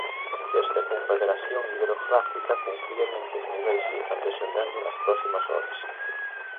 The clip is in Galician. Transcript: Desde a Confederación Hidrográfica confían en que os niveis sigan descendendo nas próximas horas.